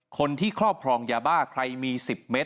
คนที่เคาะพรองยาบ่าใครมีสิบเม็ด